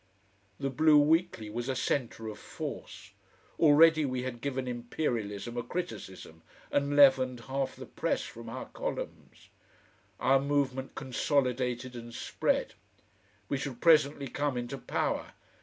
The BLUE WEEKLY was a centre of force. Already we had given Imperialism a criticism, and leavened half the press from our columns. Our movement consolidated and spread. We should presently come into power.